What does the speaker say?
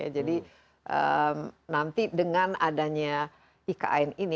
jadi nanti dengan adanya ikn ini